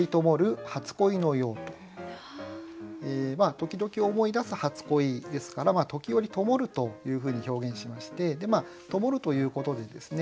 時々思い出す初恋ですから「ときおり灯る」というふうに表現しまして「灯る」ということでですね